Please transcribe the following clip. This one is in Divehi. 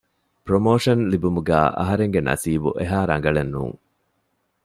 ޕްރޮމޯޝަން ލިބުމުގައި އަހަރެންގެ ނަސީބު އެހާރަނގަޅެއް ނޫން